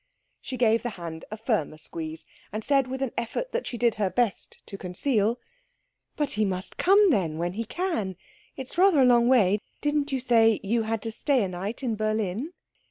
She gave the hand a firmer squeeze, and said with an effort that she did her best to conceal, "But he must come then, when he can. It is rather a long way didn't you say you had to stay a night in Berlin?"